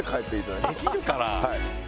できるかな？